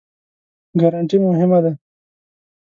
ګارنټي مهمه دی؟